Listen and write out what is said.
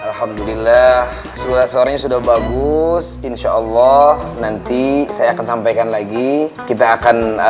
alhamdulillah surat suaranya sudah bagus insyaallah nanti saya akan sampaikan lagi kita akan